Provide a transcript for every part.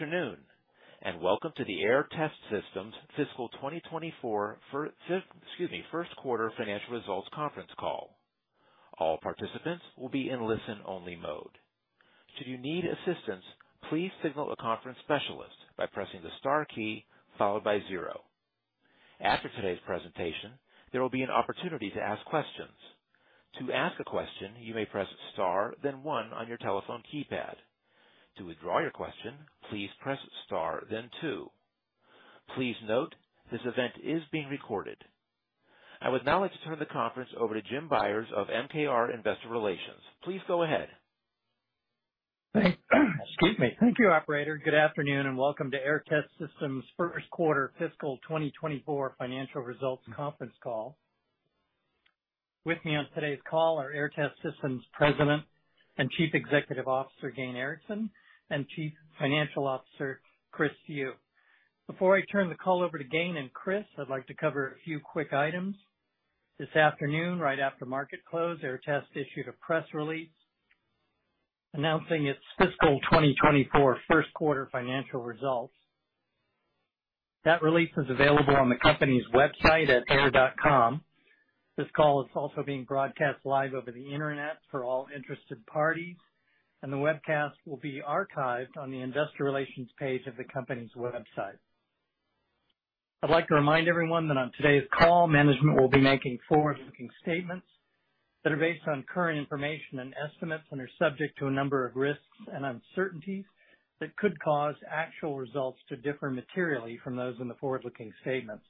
Afternoon, and welcome to the Aehr Test Systems fiscal 2024 first quarter financial results conference call. All participants will be in listen-only mode. Should you need assistance, please signal a conference specialist by pressing the star key followed by zero. After today's presentation, there will be an opportunity to ask questions. To ask a question, you may press star, then one on your telephone keypad. To withdraw your question, please press star, then two. Please note, this event is being recorded. I would now like to turn the conference over to Jim Byers of MKR Investor Relations. Please go ahead. Excuse me. Thank you, operator. Good afternoon, and welcome to Aehr Test Systems' first quarter fiscal 2024 financial results conference call. With me on today's call are Aehr Test Systems President and Chief Executive Officer, Gayn Erickson, and Chief Financial Officer, Chris Siu. Before I turn the call over to Gayn and Chris, I'd like to cover a few quick items. This afternoon, right after market close, Aehr Test issued a press release announcing its fiscal 2024 first quarter financial results. That release is available on the company's website at aehr.com. This call is also being broadcast live over the internet for all interested parties, and the webcast will be archived on the investor relations page of the company's website. I'd like to remind everyone that on today's call, management will be making forward-looking statements that are based on current information and estimates and are subject to a number of risks and uncertainties that could cause actual results to differ materially from those in the forward-looking statements.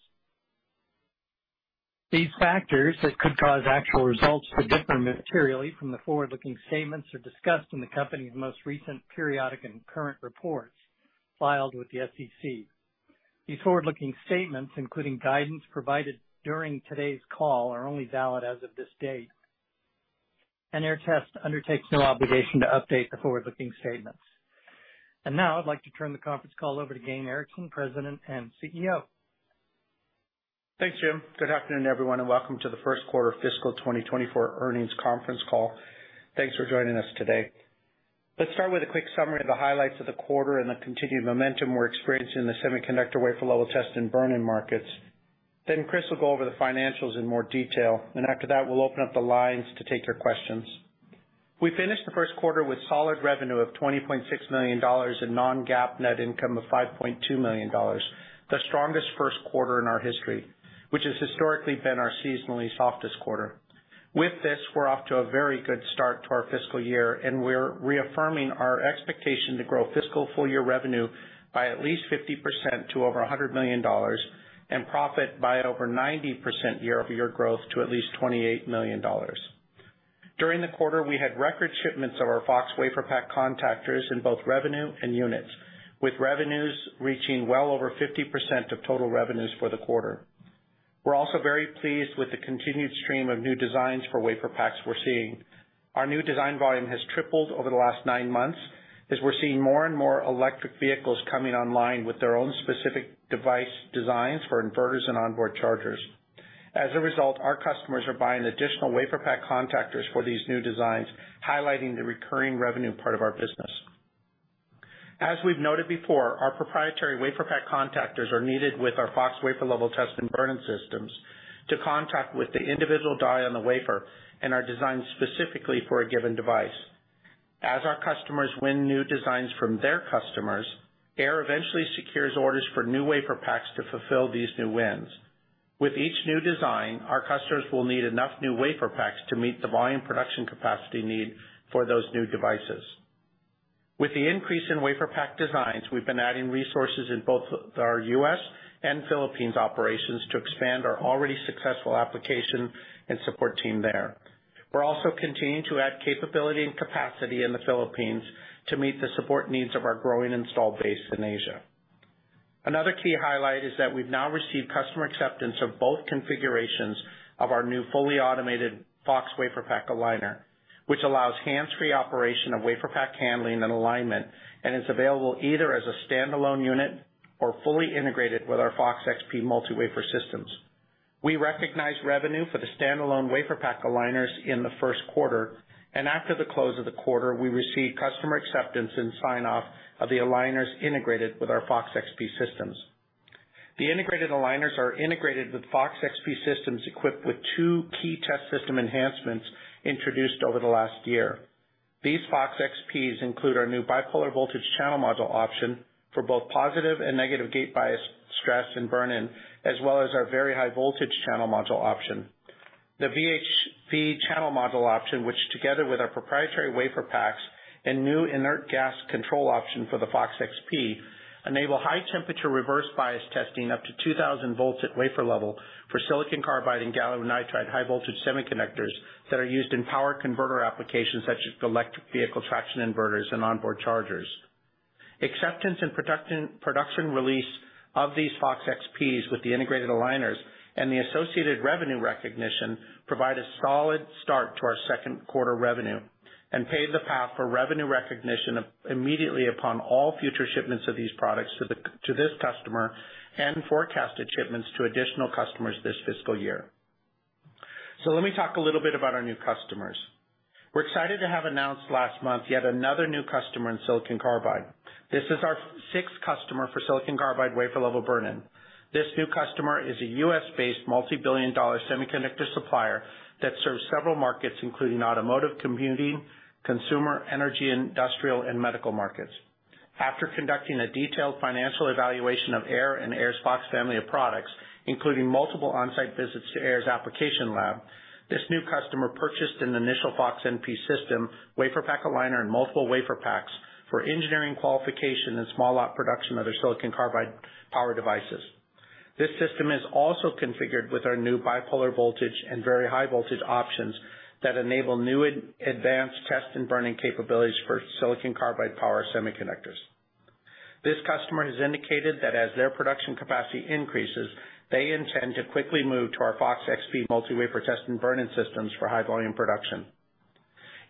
These factors that could cause actual results to differ materially from the forward-looking statements are discussed in the company's most recent periodic and current reports filed with the SEC. These forward-looking statements, including guidance provided during today's call, are only valid as of this date, and Aehr Test Systems undertakes no obligation to update the forward-looking statements. Now I'd like to turn the conference call over to Gayn Erickson, President and CEO. Thanks, Jim. Good afternoon, everyone, and welcome to the first quarter fiscal 2024 earnings conference call. Thanks for joining us today. Let's start with a quick summary of the highlights of the quarter and the continued momentum we're experiencing in the semiconductor wafer-level test and burn-in markets. Then Chris will go over the financials in more detail, and after that, we'll open up the lines to take your questions. We finished the first quarter with solid revenue of $20.6 million and non-GAAP net income of $5.2 million, the strongest first quarter in our history, which has historically been our seasonally softest quarter. With this, we're off to a very good start to our fiscal year, and we're reaffirming our expectation to grow fiscal full-year revenue by at least 50% to over $100 million and profit by over 90% year-over-year growth to at least $28 million. During the quarter, we had record shipments of our FOX WaferPak Contactors in both revenue and units, with revenues reaching well over 50% of total revenues for the quarter. We're also very pleased with the continued stream of new designs for WaferPaks we're seeing. Our new design volume has tripled over the last nine months as we're seeing more and more electric vehicles coming online with their own specific device designs for inverters and onboard chargers. As a result, our customers are buying additional WaferPak Contactors for these new designs, highlighting the recurring revenue part of our business. As we've noted before, our proprietary WaferPak Contactors are needed with our FOX wafer-level test and burn-in systems to contact with the individual die on the wafer and are designed specifically for a given device. As our customers win new designs from their customers, Aehr eventually secures orders for new WaferPaks to fulfill these new wins. With each new design, our customers will need enough new WaferPaks to meet the volume production capacity need for those new devices. With the increase in WaferPak designs, we've been adding resources in both our U.S. and Philippines operations to expand our already successful application and support team there. We're also continuing to add capability and capacity in the Philippines to meet the support needs of our growing installed base in Asia. Another key highlight is that we've now received customer acceptance of both configurations of our new fully-automated FOX WaferPak Aligner, which allows hands-free operation of WaferPak handling and alignment and is available either as a standalone unit or fully-integrated with our FOX-XP multi-wafer systems. We recognized revenue for the standalone WaferPak aligners in the first quarter, and after the close of the quarter, we received customer acceptance and sign-off of the aligners integrated with our FOX-XP systems. The integrated aligners are integrated with FOX-XP systems, equipped with two key test system enhancements introduced over the last year. These FOX-XPs include our new Bipolar Voltage Channel Module option for both positive and negative gate bias, stress and burn-in, as well as our Very High Voltage Channel Module option. The VHV channel module option, which together with our proprietary WaferPaks and new inert gas control option for the FOX-XP, enable high temperature reverse bias testing up to 2,000 V at wafer level silicon carbide and gallium nitride high voltage semiconductors that are used in power converter applications such as electric vehicle traction inverters and onboard chargers. Acceptance and production, production release of these FOX-XPs with the integrated aligners and the associated revenue recognition provide a solid start to our second quarter revenue and pave the path for revenue recognition immediately upon all future shipments of these products to the, to this customer and forecasted shipments to additional customers this fiscal year. So let me talk a little bit about our new customers. We're excited to have announced last month, yet another new customer in silicon carbide. This is our sixth customer silicon carbide wafer-level burn-in. This new customer is a U.S.-based multi-billion dollar semiconductor supplier that serves several markets, including automotive, computing, consumer, energy, industrial, and medical markets. After conducting a detailed financial evaluation of Aehr and Aehr's FOX family of products, including multiple on-site visits to Aehr's application lab, this new customer purchased an initial FOX-NP system, WaferPak Aligner, and multiple WaferPaks for engineering, qualification, and small lot production of silicon carbide power devices. This system is also configured with our new Bipolar Voltage and Very High Voltage options that enable new advanced test and burn-in capabilities silicon carbide power semiconductors. This customer has indicated that as their production capacity increases, they intend to quickly move to our FOX-XP multi-wafer test and burn-in systems for high-volume production.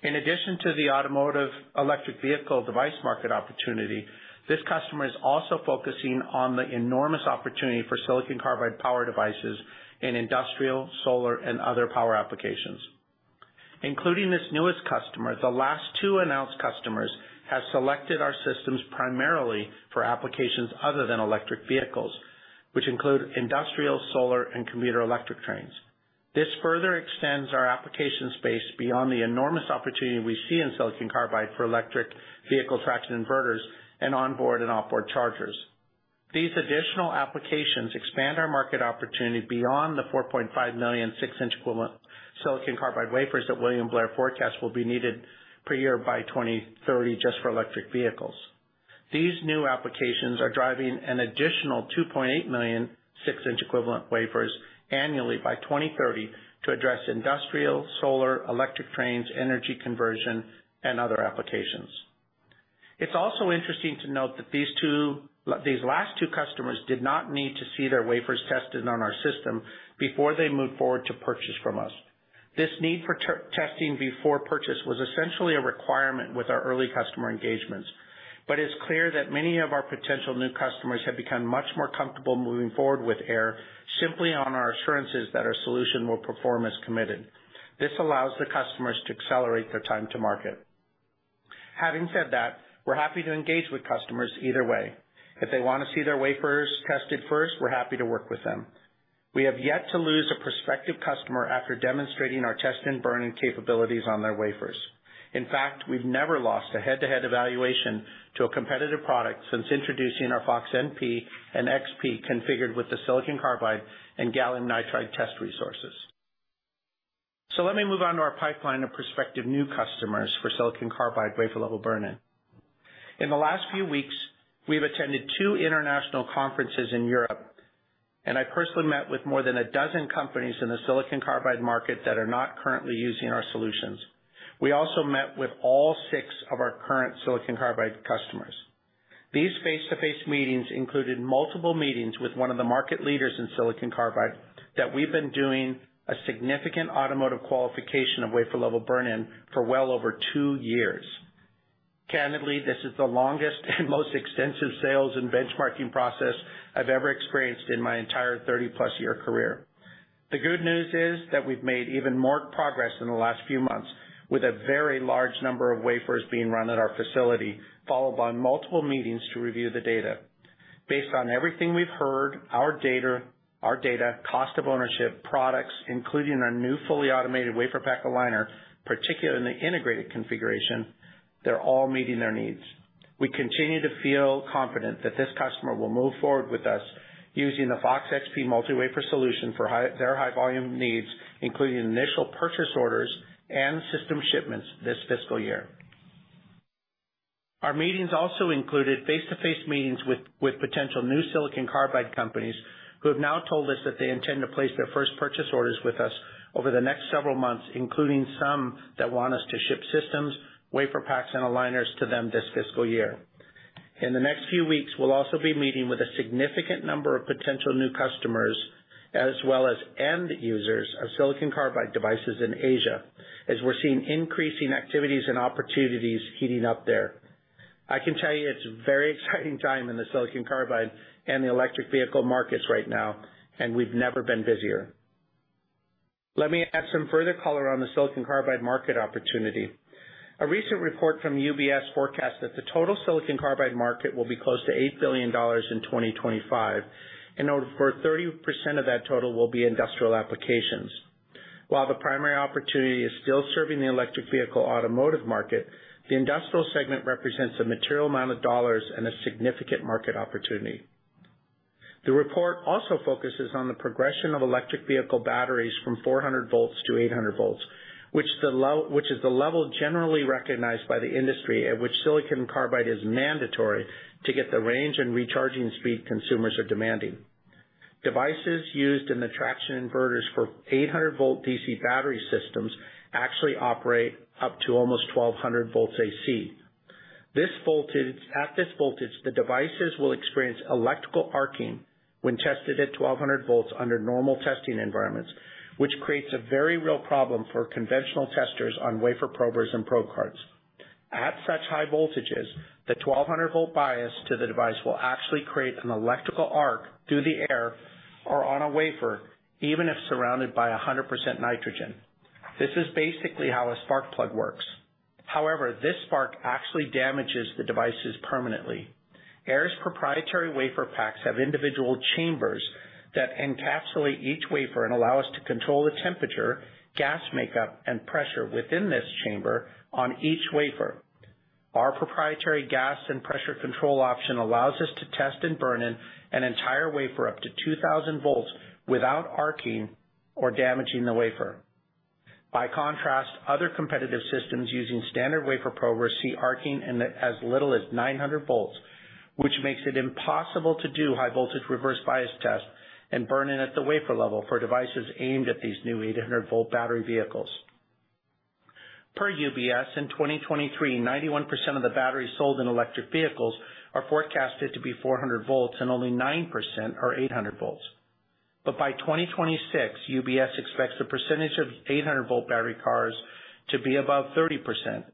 In addition to the automotive electric vehicle device market opportunity, this customer is also focusing on the enormous opportunity silicon carbide power devices in industrial, solar, and other power applications. Including this newest customer, the last two announced customers have selected our systems primarily for applications other than electric vehicles, which include industrial, solar, and commuter electric trains. This further extends our application space beyond the enormous opportunity we see silicon carbide for electric vehicle traction inverters and onboard and off board chargers. These additional applications expand our market opportunity beyond the 4.5 million six-inch silicon carbide wafers that William Blair forecasts will be needed per year by 2030 just for electric vehicles. These new applications are driving an additional 2.8 million six-inch equivalent wafers annually by 2030 to address industrial, solar, electric trains, energy conversion, and other applications. It's also interesting to note that these last two customers did not need to see their wafers tested on our system before they moved forward to purchase from us. This need for testing before purchase was essentially a requirement with our early customer engagements, but it's clear that many of our potential new customers have become much more comfortable moving forward with Aehr, simply on our assurances that our solution will perform as committed. This allows the customers to accelerate their time to market. Having said that, we're happy to engage with customers either way. If they want to see their wafers tested first, we're happy to work with them. We have yet to lose a prospective customer after demonstrating our test and burning capabilities on their wafers. In fact, we've never lost a head-to-head evaluation to a competitive product since introducing our FOX-NP and FOX-XP, configured with silicon carbide and gallium nitride test resources. So let me move on to our pipeline of prospective new customers silicon carbide wafer level burn-in. In the last few weeks, we've attended two international conferences in Europe, and I personally met with more than a dozen companies in silicon carbide market that are not currently using our solutions. We also met with all six of our silicon carbide customers. These face-to-face meetings included multiple meetings with one of the market leaders silicon carbide, that we've been doing a significant automotive qualification of wafer level burn-in for well over two years. Candidly, this is the longest and most extensive sales and benchmarking process I've ever experienced in my entire 30+ year career. The good news is that we've made even more progress in the last few months, with a very large number of wafers being run at our facility, followed by multiple meetings to review the data. Based on everything we've heard, our data, our data, cost of ownership, products, including our new, fully-automated WaferPak Aligner, particularly in the integrated configuration, they're all meeting their needs. We continue to feel confident that this customer will move forward with us using the FOX-XP multi-wafer solution for their high-volume needs, including initial purchase orders and system shipments this fiscal year. Our meetings also included face-to-face meetings with potential silicon carbide companies, who have now told us that they intend to place their first purchase orders with us over the next several months, including some that want us to ship systems, WaferPaks, and aligners to them this fiscal year. In the next few weeks, we'll also be meeting with a significant number of potential new customers, as well as end users silicon carbide devices in Asia, as we're seeing increasing activities and opportunities heating up there. I can tell you, it's a very exciting time in silicon carbide and the electric vehicle markets right now, and we've never been busier. Let me add some further color on silicon carbide market opportunity. A recent report from UBS forecasts that the silicon carbide market will be close to $8 billion in 2025, and over 30% of that total will be industrial applications. While the primary opportunity is still serving the electric vehicle automotive market, the industrial segment represents a material amount of dollars and a significant market opportunity. The report also focuses on the progression of electric vehicle batteries from 400 V- 800 V, which is the level generally recognized by the industry at silicon carbide is mandatory to get the range and recharging speed consumers are demanding. Devices used in the traction inverters for 800 V DC battery systems actually operate up to almost 1,200 V AC. This voltage. At this voltage, the devices will experience electrical arcing when tested at 1,200 V under normal testing environments, which creates a very real problem for conventional testers on wafer probers and probe cards. At such high voltages, the 1,200 V bias to the device will actually create an electrical arc through the air or on a wafer, even if surrounded by 100% nitrogen. This is basically how a spark plug works. However, this spark actually damages the devices permanently. Aehr's proprietary WaferPaks have individual chambers that encapsulate each wafer and allow us to control the temperature, gas makeup, and pressure within this chamber on each wafer. Our proprietary gas and pressure control option allows us to test and burn-in an entire wafer up to 2,000 V without arcing or damaging the wafer. By contrast, other competitive systems using standard wafer probe will see arcing in as little as 900 V, which makes it impossible to do high voltage reverse bias tests and burn-in at the wafer level for devices aimed at these new 800 V battery vehicles. Per UBS, in 2023, 91% of the batteries sold in electric vehicles are forecasted to be 400 V, and only 9% are 800 V. But by 2026, UBS expects the percentage of 800 V battery cars to be above 30%,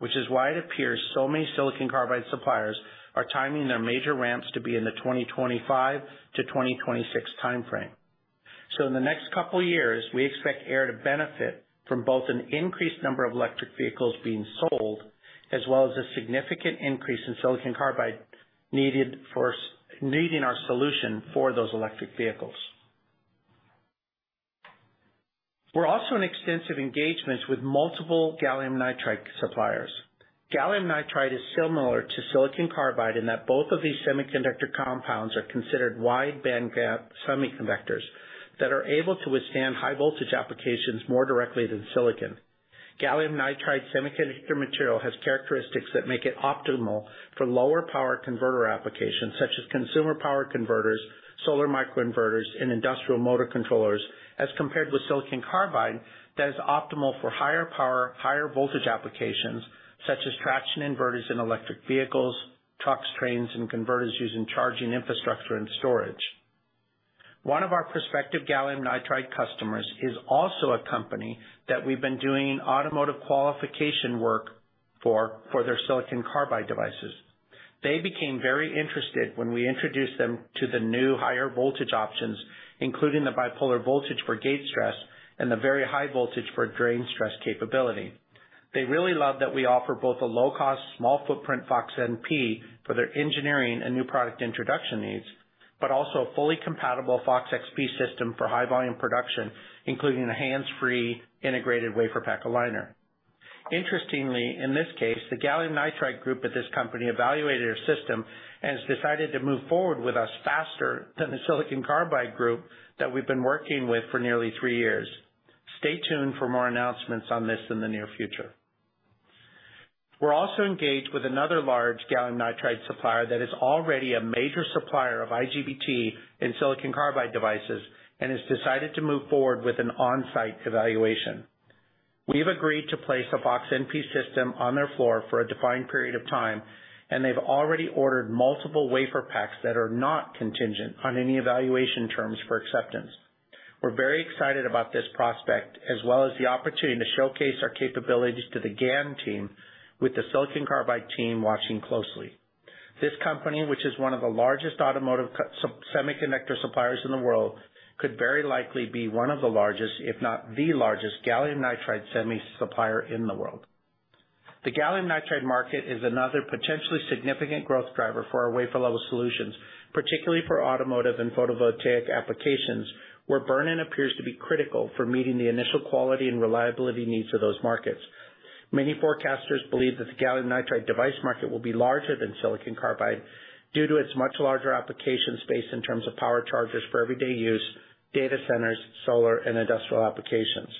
which is why it appears so silicon carbide suppliers are timing their major ramps to be in the 2025-2026 time frame. So in the next couple of years, we expect Aehr to benefit from both an increased number of electric vehicles being sold, as well as a significant increase silicon carbide needed for our solution for those electric vehicles. We're also in extensive engagements with multiple gallium nitride suppliers. Gallium nitride is similar silicon carbide, in that both of these semiconductor compounds are considered wide bandgap semiconductors, that are able to withstand high voltage applications more directly than silicon. Gallium nitride semiconductor material has characteristics that make it optimal for lower power converter applications, such as consumer power converters, solar microinverters, and industrial motor controllers, as compared silicon carbide, that is optimal for higher power, higher voltage applications such as traction inverters and electric vehicles, trucks, trains, and converters using charging infrastructure and storage. One of our prospective gallium nitride customers is also a company that we've been doing automotive qualification work for, for silicon carbide devices. They became very interested when we introduced them to the new higher voltage options, including the bipolar voltage for gate stress and the very high voltage for drain stress capability. They really love that we offer both a low-cost, small footprint FOX-NP for their engineering and new product introduction needs, but also a fully compatible FOX-XP system for high volume production, including a hands-free integrated WaferPak aligner. Interestingly, in this case, the gallium nitride group at this company evaluated our system and has decided to move forward with us faster than silicon carbide group that we've been working with for nearly three years. Stay tuned for more announcements on this in the near future. We're also engaged with another large gallium nitride supplier that is already a major supplier of IGBT silicon carbide devices and has decided to move forward with an on-site evaluation. We have agreed to place a FOX-NP system on their floor for a defined period of time, and they've already ordered multiple WaferPaks that are not contingent on any evaluation terms for acceptance. We're very excited about this prospect, as well as the opportunity to showcase our capabilities to the GaN team, with silicon carbide team watching closely. This company, which is one of the largest automotive semiconductor suppliers in the world, could very likely be one of the largest, if not the largest, gallium nitride semi supplier in the world. The gallium nitride market is another potentially significant growth driver for our wafer level solutions, particularly for automotive and photovoltaic applications, where burn-in appears to be critical for meeting the initial quality and reliability needs of those markets. Many forecasters believe that the gallium nitride device market will be larger silicon carbide, due to its much larger application space in terms of power chargers for everyday use, data centers, solar and industrial applications.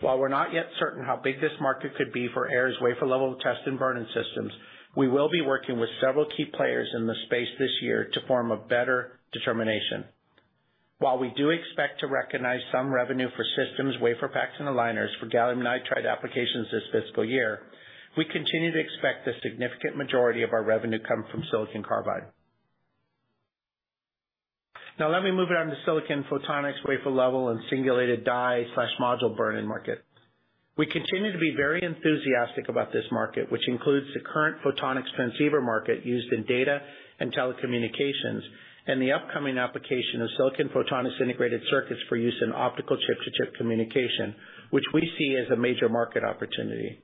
While we're not yet certain how big this market could be for Aehr's wafer level test and burn-in systems, we will be working with several key players in the space this year to form a better determination. While we do expect to recognize some revenue for systems, WaferPaks, and aligners for gallium nitride applications this fiscal year, we continue to expect the significant majority of our revenue come from silicon carbide. Now, let me move it on to silicon photonics, wafer-level, and singulated die/module burn-in market. We continue to be very enthusiastic about this market, which includes the current photonics transceiver market used in data and telecommunications, and the upcoming application of silicon photonics integrated circuits for use in optical chip-to-chip communication, which we see as a major market opportunity.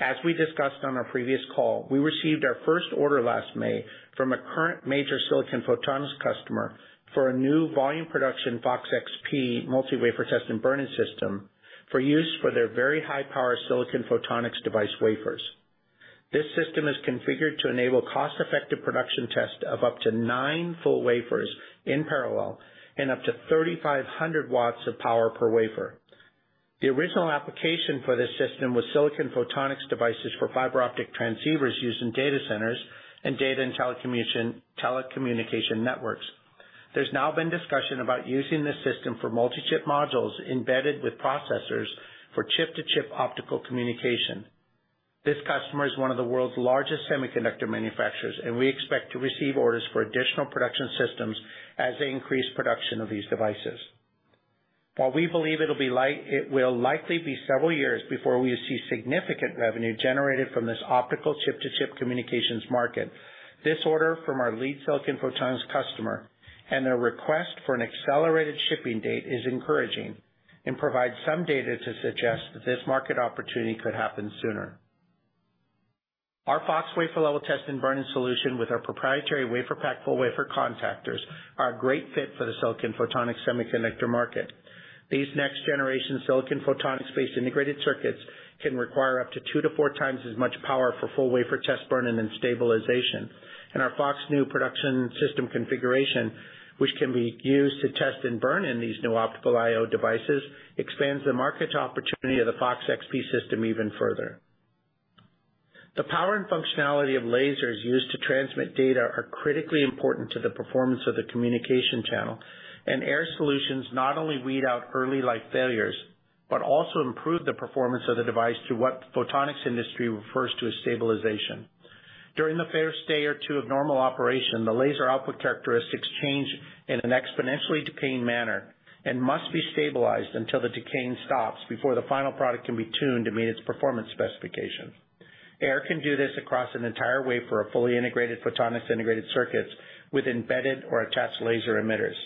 As we discussed on our previous call, we received our first order last May from a current major silicon photonics customer for a new volume production FOX-XP multi-wafer test and burn-in system for use for their very high-power silicon photonics device wafers. This system is configured to enable cost-effective production test of up to nine full wafers in parallel and up to 3,500 watts of power per wafer. The original application for this system was silicon photonics devices for fiber optic transceivers used in data centers and data and telecommunication networks. There's now been discussion about using this system for multi-chip modules embedded with processors for chip-to-chip optical communication. This customer is one of the world's largest semiconductor manufacturers, and we expect to receive orders for additional production systems as they increase production of these devices. While we believe it'll be like, it will likely be several years before we see significant revenue generated from this optical chip-to-chip communications market, this order from our lead silicon photonics customer and their request for an accelerated shipping date is encouraging and provides some data to suggest that this market opportunity could happen sooner. Our FOX wafer level test and burn-in solution with our proprietary WaferPak Full Wafer Contactors are a great fit for the silicon photonics semiconductor market. These next generation silicon pPhotonics-based integrated circuits can require up to 2x-4x as much power for full wafer test burn-in and stabilization, and our FOX new production system configuration, which can be used to test and burn-in these new optical I/O devices, expands the market opportunity of the FOX-XP system even further. The power and functionality of lasers used to transmit data are critically important to the performance of the communication channel, and Aehr solutions not only weed out early life failures, but also improve the performance of the device to what the photonics industry refers to as stabilization. During the first day or two of normal operation, the laser output characteristics change in an exponentially decaying manner and must be stabilized until the decaying stops before the final product can be tuned to meet its performance specification. Aehr can do this across an entire wafer of fully-integrated photonics integrated circuits with embedded or attached laser emitters.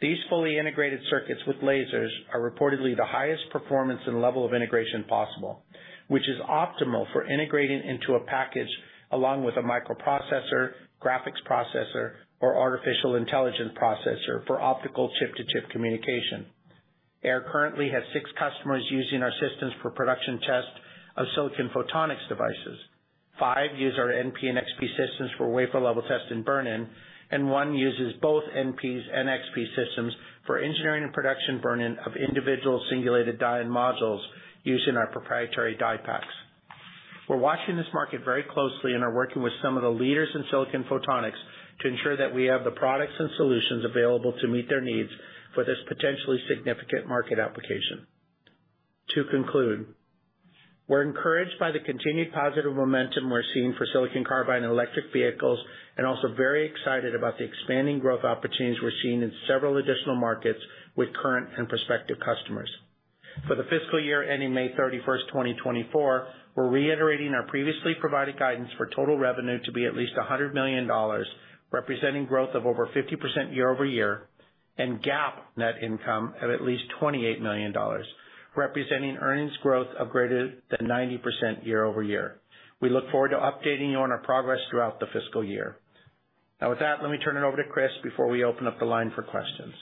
These fully-integrated circuits with lasers are reportedly the highest performance and level of integration possible, which is optimal for integrating into a package, along with a microprocessor, graphics processor, or artificial intelligence processor for optical chip-to-chip communication. Aehr currently has six customers using our systems for production test of silicon photonics devices. Five use our NPs and XP systems for wafer level test and burn-in, and one uses both NPs and XP systems for engineering and production burn-in of individual singulated die and modules using our proprietary DiePaks. We're watching this market very closely and are working with some of the leaders in silicon photonics to ensure that we have the products and solutions available to meet their needs for this potentially significant market application. To conclude, we're encouraged by the continued positive momentum we're seeing silicon carbide and electric vehicles, and also very excited about the expanding growth opportunities we're seeing in several additional markets with current and prospective customers. For the fiscal year ending May 31st, 2024, we're reiterating our previously provided guidance for total revenue to be at least $100 million, representing growth of over 50% year-over-year, and GAAP net income of at least $28 million, representing earnings growth of greater than 90% year-over-year. We look forward to updating you on our progress throughout the fiscal year. Now, with that, let me turn it over to Chris before we open up the line for questions.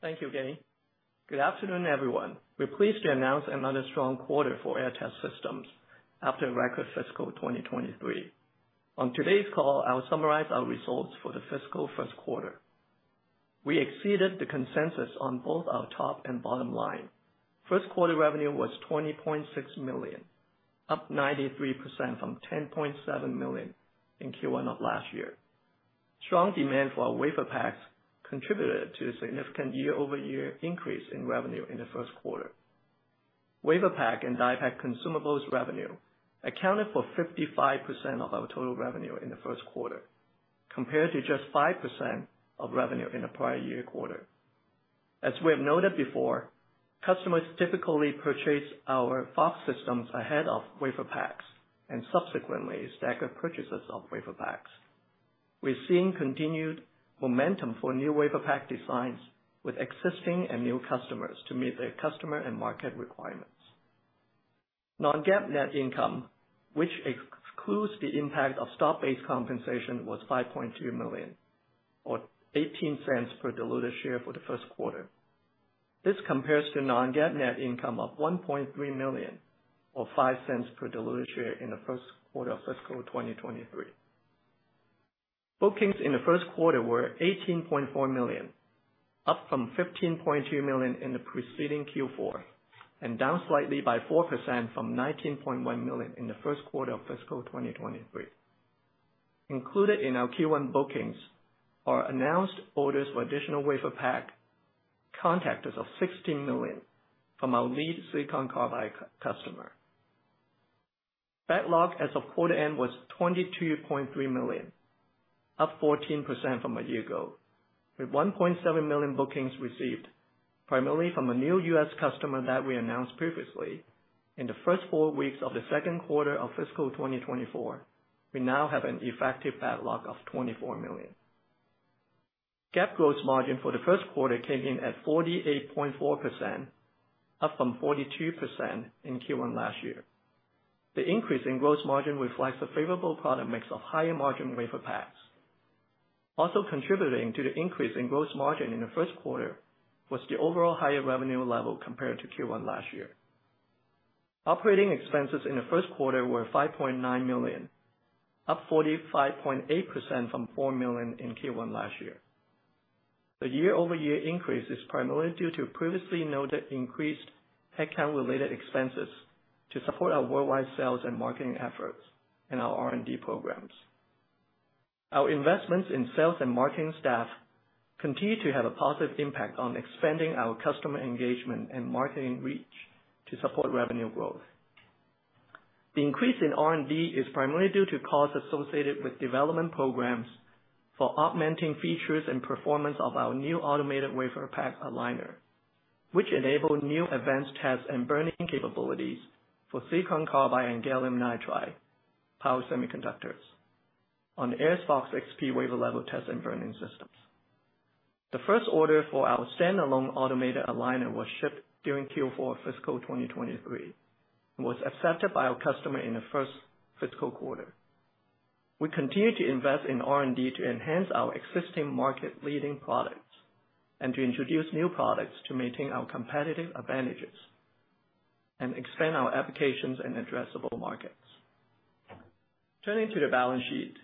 Thank you, Gayn. Good afternoon, everyone. We're pleased to announce another strong quarter for Aehr Test Systems after a record fiscal 2023. On today's call, I'll summarize our results for the fiscal first quarter. We exceeded the consensus on both our top and bottom line. First quarter revenue was $20.6 million, up 93% from $10.7 million in Q1 of last year. Strong demand for our WaferPaks contributed to a significant year-over-year increase in revenue in the first quarter. WaferPak and DiePak consumables revenue accounted for 55% of our total revenue in the first quarter, compared to just 5% of revenue in the prior year quarter. As we have noted before, customers typically purchase our FOX systems ahead of WaferPaks and subsequently stagger purchases of WaferPaks. We're seeing continued momentum for new wafer pack designs with existing and new customers to meet their customer and market requirements. Non-GAAP net income, which excludes the impact of stock-based compensation, was $5.2 million, or $0.18 per diluted share for the first quarter. This compares to non-GAAP net income of $1.3 million, or $0.05 per diluted share in the first quarter of fiscal 2023. Bookings in the first quarter were $18.4 million, up from $15.2 million in the preceding Q4, and down slightly by 4% from $19.1 million in the first quarter of fiscal 2023. Included in our Q1 bookings are announced orders for additional wafer pack contactors of $16 million from our silicon carbide customer. Backlog as of quarter end was $22.3 million, up 14% from a year ago, with $1.7 million bookings received primarily from a new U.S. customer that we announced previously. In the first four weeks of the second quarter of fiscal 2024, we now have an effective backlog of $24 million. GAAP gross margin for the first quarter came in at 48.4%, up from 42% in Q1 last year. The increase in gross margin reflects a favorable product mix of higher-margin WaferPaks. Also contributing to the increase in gross margin in the first quarter was the overall higher revenue level compared to Q1 last year. Operating expenses in the first quarter were $5.9 million, up 45.8% from $4 million in Q1 last year. The year-over-year increase is primarily due to previously noted increased headcount-related expenses to support our worldwide sales and marketing efforts and our R&D programs. Our investments in sales and marketing staff continue to have a positive impact on expanding our customer engagement and marketing reach to support revenue growth. The increase in R&D is primarily due to costs associated with development programs for augmenting features and performance of our new automated WaferPak Aligner, which enabled new advanced tests and burn-in capabilities silicon carbide and gallium nitride power semiconductors on the Aehr FOX-XP wafer level test and burn-in systems. The first order for our standalone automated aligner was shipped during Q4 fiscal 2023, and was accepted by our customer in the first fiscal quarter. We continue to invest in R&D to enhance our existing market leading products and to introduce new products to maintain our competitive advantages and expand our applications and addressable markets. Turning to the balance sheet,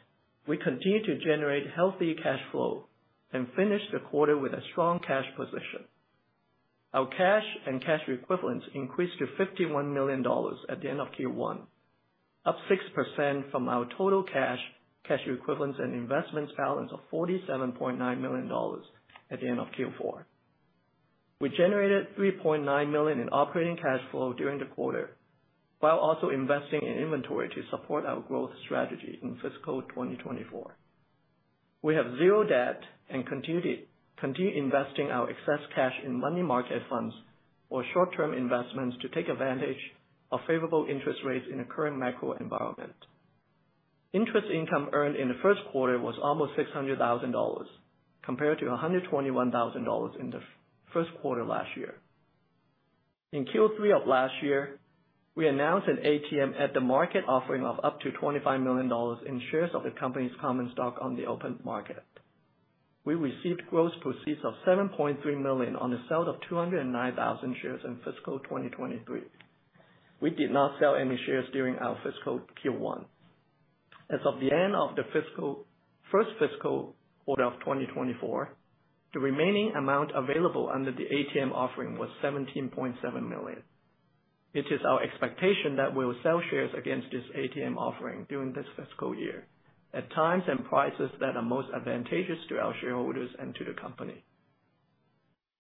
we continue to generate healthy cash flow and finish the quarter with a strong cash position. Our cash and cash equivalents increased to $51 million at the end of Q1, up 6% from our total cash, cash equivalents, and investments balance of $47.9 million at the end of Q4. We generated $3.9 million in operating cash flow during the quarter, while also investing in inventory to support our growth strategy in fiscal 2024. We have zero debt and continue investing our excess cash in money market funds or short-term investments to take advantage of favorable interest rates in the current macro environment. Interest income earned in the first quarter was almost $600,000, compared to $121,000 in the first quarter last year. In Q3 of last year, we announced an ATM at-the-market offering of up to $25 million in shares of the company's common stock on the open market. We received gross proceeds of $7.3 million on the sale of 209,000 shares in fiscal 2023. We did not sell any shares during our fiscal Q1. As of the end of the first fiscal quarter of 2024, the remaining amount available under the ATM offering was $17.7 million. It is our expectation that we will sell shares against this ATM offering during this fiscal year, at times and prices that are most advantageous to our shareholders and to the company.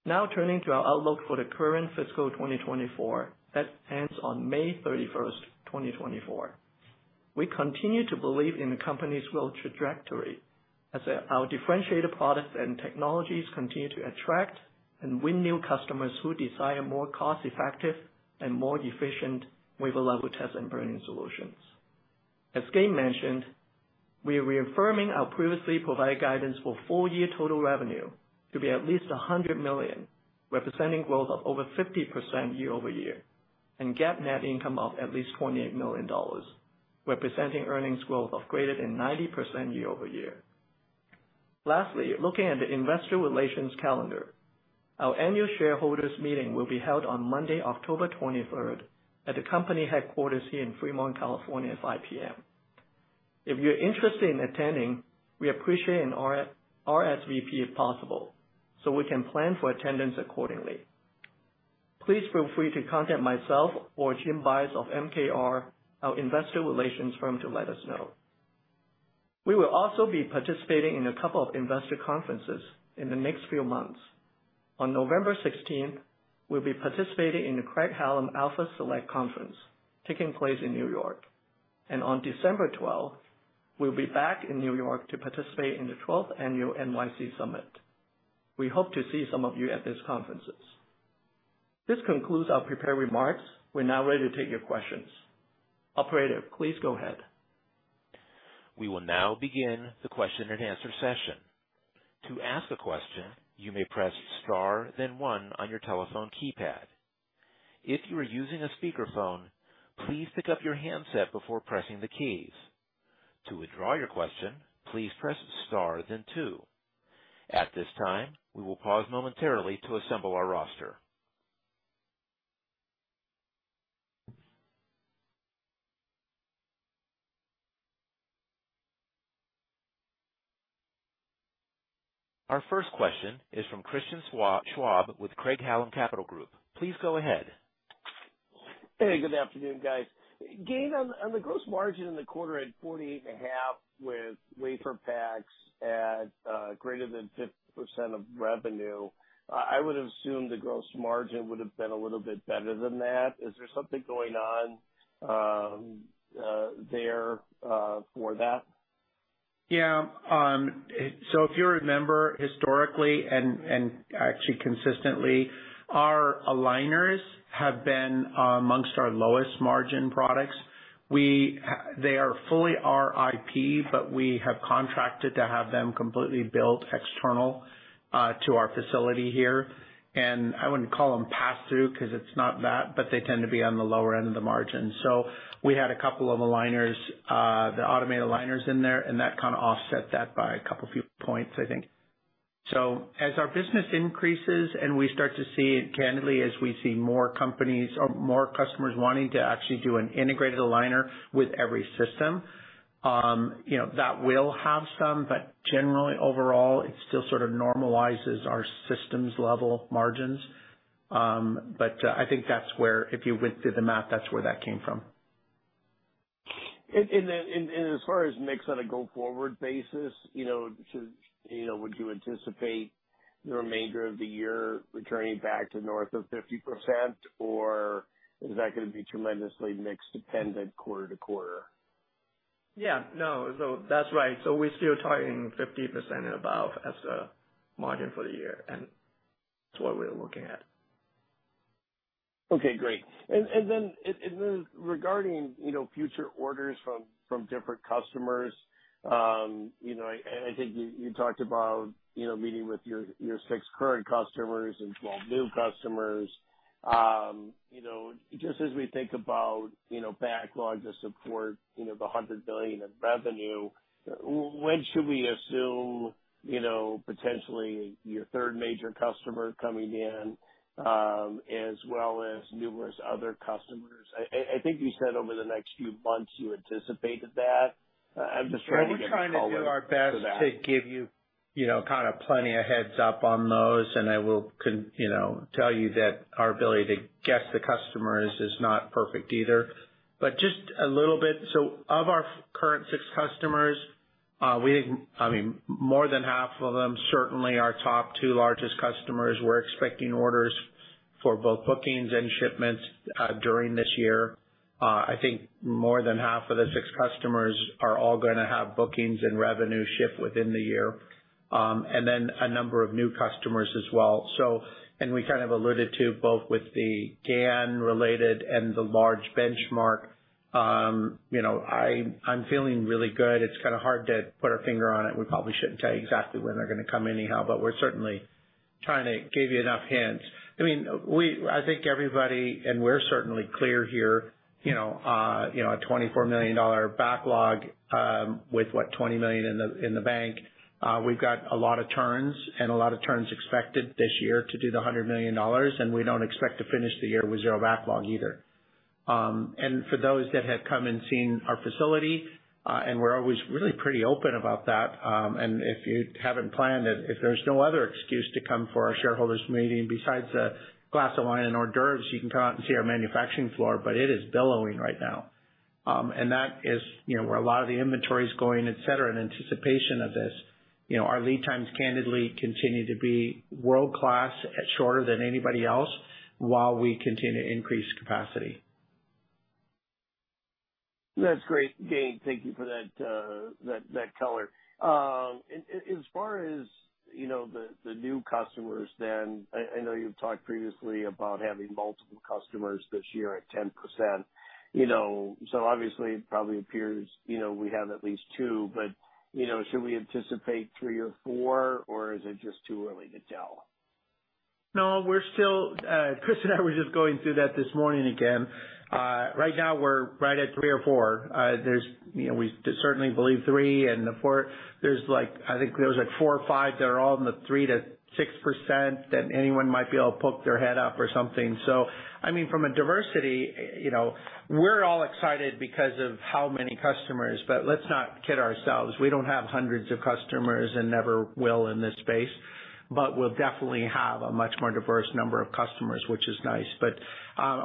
Now, turning to our outlook for the current fiscal 2024, that ends on May 31st, 2024. We continue to believe in the company's growth trajectory as our differentiated products and technologies continue to attract and win new customers who desire more cost effective and more efficient wafer-level test and burn-in solutions. As Gayn mentioned, we are reaffirming our previously provided guidance for full-year total revenue to be at least $100 million, representing growth of over 50% year-over-year, and GAAP net income of at least $28 million, representing earnings growth of greater than 90% year-over-year. Lastly, looking at the investor relations calendar, our annual shareholders meeting will be held on Monday, October 23, at the company headquarters here in Fremont, California, at 5,00 P.M. If you're interested in attending, we appreciate an RSVP if possible, so we can plan for attendance accordingly. Please feel free to contact myself or Jim Byers of MKR, our Investor Relations firm, to let us know. We will also be participating in a couple of investor conferences in the next few months. On November 16th, we'll be participating in the Craig-Hallum Alpha Select Conference taking place in New York. On December 12th, we'll be back in New York to participate in the 12th Annual NYC Summit. We hope to see some of you at these conferences. This concludes our prepared remarks. We're now ready to take your questions. Operator, please go ahead. We will now begin the question-and-answer session. To ask a question, you may press star, then one on your telephone keypad. If you are using a speakerphone, please pick up your handset before pressing the keys. To withdraw your question, please press star, then two. At this time, we will pause momentarily to assemble our roster. Our first question is from Christian Schwab, Schwab with Craig-Hallum Capital Group. Please go ahead. Hey, good afternoon, guys. Gayn, on the gross margin in the quarter at 48.5%, with WaferPak's at greater than 50% of revenue, I would assume the gross margin would have been a little bit better than that. Is there something going on there for that? Yeah. If you remember historically and actually consistently, our aligners have been amongst our lowest margin products. They are fully our IP, but we have contracted to have them completely built external to our facility here. I wouldn't call them pass through, because it's not that, but they tend to be on the lower end of the margin. We had a couple of aligners, the automated aligners in there, and that kind of offset that by a couple few points, I think. As our business increases and we start to see it candidly, as we see more companies or more customers wanting to actually do an integrated aligner with every system, you know, that will have some, but generally overall, it still sort of normalizes our systems level margins. I think that's where if you went through the math, that's where that came from. And then, as far as mix on a go forward basis, you know, should, you know, would you anticipate the remainder of the year returning back to north of 50%, or is that going to be tremendously mix dependent quarter-to-quarter? Yeah, no. So that's right. So we're still targeting 50% and above as a margin for the year, and that's what we're looking at. Okay, great. And then regarding, you know, future orders from different customers, you know, and I think you talked about, you know, meeting with your six current customers and 12 new customers. You know, just as we think about, you know, backlogs of support, you know, the $100 billion of revenue, when should we assume, you know, potentially your third major customer coming in, as well as numerous other customers? I think you said over the next few months, you anticipated that. I'm just trying to get a color for that. We're trying to do our best to give you, you know, kind of plenty of heads up on those. I will, you know, tell you that our ability to guess the customers is not perfect either. Just a little bit, so of our current six customers, we, I mean, more than half of them, certainly our top two largest customers, we're expecting orders for both bookings and shipments during this year. I think more than half of the six customers are all going to have bookings and revenue ship within the year. Then a number of new customers as well. We kind of alluded to both with the GaN related and the large benchmark. You know, I'm feeling really good. It's kind of hard to put our finger on it. We probably shouldn't tell you exactly when they're going to come in anyhow, but we're certainly trying to give you enough hints. I mean, we, I think everybody, and we're certainly clear here, you know, you know, a $24 million backlog, with what, $20 million in the bank. We've got a lot of turns and a lot of turns expected this year to do the $100 million, and we don't expect to finish the year with zero backlog either. And for those that have come and seen our facility, and we're always really pretty open about that. And if you haven't planned it, if there's no other excuse to come for our shareholders' meeting besides a glass of wine and hors d'oeuvres, you can come out and see our manufacturing floor. But it is billowing right now. That is, you know, where a lot of the inventory is going, et cetera, in anticipation of this. You know, our lead times candidly continue to be world class, at shorter than anybody else, while we continue to increase capacity. That's great, Gayn. Thank you for that color. As far as you know, the new customers, then I know you've talked previously about having multiple customers this year at 10%. You know, so obviously it probably appears, you know, we have at least 2%, but, you know, should we anticipate 3% or 4%, or is it just too early to tell? No, we're still, Chris and I were just going through that this morning again. Right now we're right at 3% or 4%. There's, you know, we certainly believe 3% and the 4% there's like, I think there's like 4% or 5% that are all in the 3%-6% that anyone might be able to poke their head up or something. So I mean, from a diversity, you know, we're all excited because of how many customers, but let's not kid ourselves, we don't have hundreds of customers and never will in this space, but we'll definitely have a much more diverse number of customers, which is nice. But,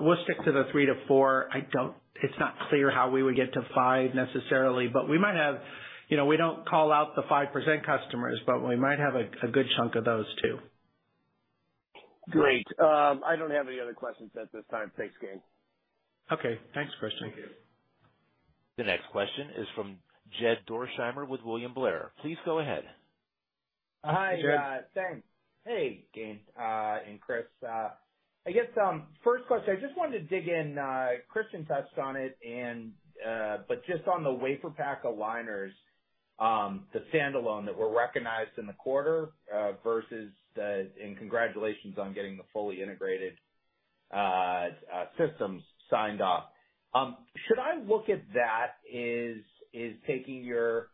we'll stick to the 3%-4%. I don't, it's not clear how we would get to 5% necessarily, but we might have. You know, we don't call out the 5% customers, but we might have a good chunk of those, too. Great. I don't have any other questions at this time. Thanks, Gayn. Okay, thanks, Christian. Thank you. The next question is from Jed Dorsheimer with William Blair. Please go ahead. Hi, Jed. Hey, Gayn, and Chris. I guess, first question, I just wanted to dig in, Christian touched on it and, but just on the WaferPak Aligners, the standalone that were recognized in the quarter, versus the, and congratulations on getting the fully integrated, systems signed off. Should I look at that as, as taking your,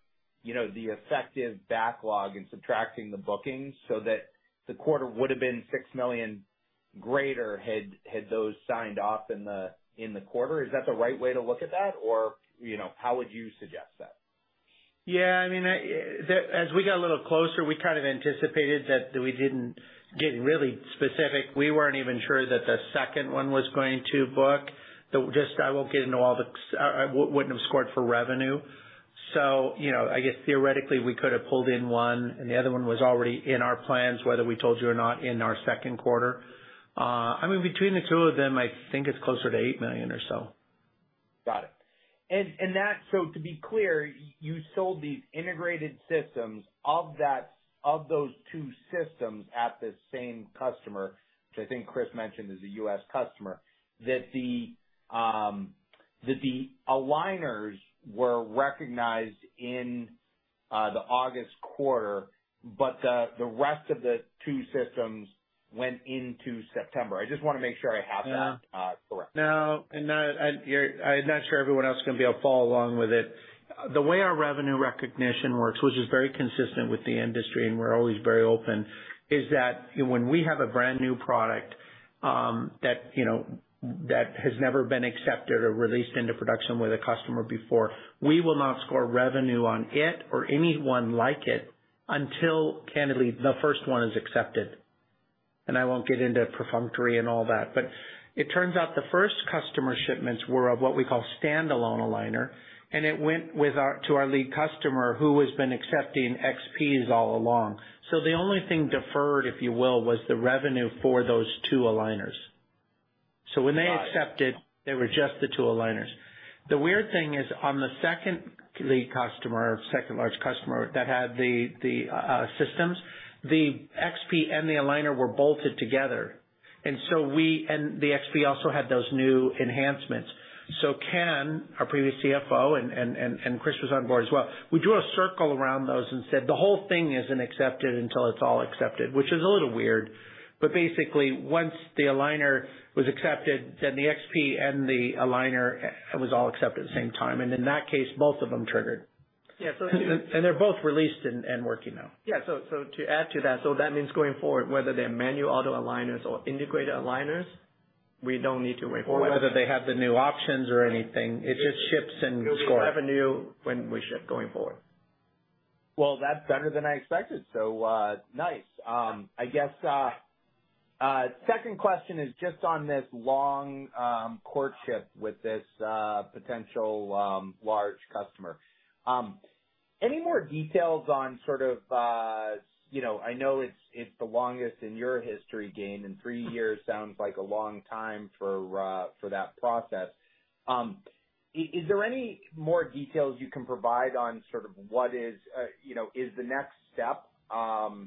you know, the effective backlog and subtracting the bookings so that the quarter would have been $6 million greater, had those signed off in the, in the quarter? Is that the right way to look at that, or, you know, how would you suggest that? Yeah, I mean, I, as we got a little closer, we kind of anticipated that. We didn't get really specific. We weren't even sure that the second one was going to book. Just, I won't get into all the ex, wouldn't have scored for revenue. You know, I guess theoretically, we could have pulled in one, and the other one was already in our plans, whether we told you or not, in our second quarter. I mean, between the two of them, I think it's closer to $8 million or so. Got it. To be clear, you sold these integrated systems of that, of those two systems at the same customer, which I think Chris mentioned is a U.S. customer, that the aligners were recognized in the August quarter, but the rest of the two systems went into September. I just want to make sure I have that correct. No, and I, you're, I'm not sure everyone else is going to be able to follow along with it. The way our revenue recognition works, which is very consistent with the industry, and we're always very open, is that when we have a brand-new product, that, you know, that has never been accepted or released into production with a customer before, we will not score revenue on it or anyone like it until candidly, the first one is accepted, and I won't get into perfunctory and all that, but it turns out the first customer shipments were of what we call standalone aligner, and it went with our, to our lead customer, who has been accepting XPs all along. So the only thing deferred, if you will, was the revenue for those two aligners. So when they accepted, they were just the two aligners. The weird thing is, on the second lead customer, second large customer that had the systems, the XP and the Aligner were bolted together. And so we, and the XP also had those new enhancements. So Ken, our previous CFO, and Chris was on board as well. We drew a circle around those and said the whole thing isn't accepted until it's all accepted, which is a little weird, but basically, once the Aligner was accepted, then the XP and the Aligner was all accepted at the same time, and in that case, both of them triggered. Yeah, so. They're both released and working now. Yeah. So, so to add to that, so that means going forward, whether they're manual auto aligners or integrated aligners, we don't need to wait for. Or whether they have the new options or anything, it just ships and score. Revenue when we ship going forward. Well, that's better than I expected. So, nice. I guess, second question is just on this long, courtship with this, potential, large customer. Any more details on sort of, you know, I know it's, it's the longest in your history, Gayn, and three years sounds like a long time for that process. Is there any more details you can provide on sort of what is, you know, is the next step, you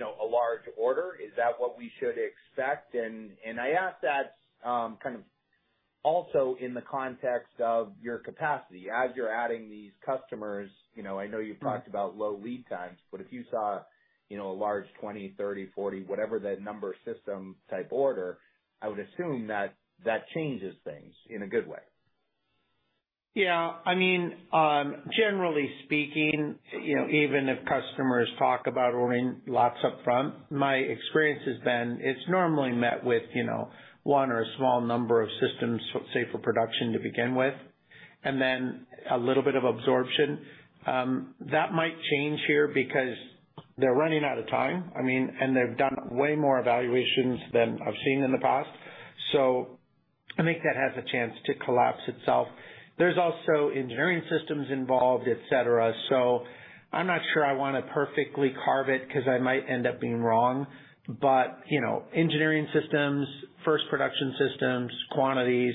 know, a large order? Is that what we should expect? And, I ask that, kind of also in the context of your capacity. As you're adding these customers, you know, I know you've talked about low lead times, but if you saw, you know, a large 20, 30, 40, whatever that number system type order, I would assume that that changes things in a good way. Yeah. I mean, generally speaking, you know, even if customers talk about ordering lots up front, my experience has been it's normally met with, you know, one or a small number of systems, say, for production to begin with, and then a little bit of absorption. That might change here because they're running out of time. I mean, and they've done way more evaluations than I've seen in the past, so I think that has a chance to collapse itself. There's also engineering systems involved, et cetera. So I'm not sure I want to perfectly carve it because I might end up being wrong. But, you know, engineering systems, first production systems, quantities,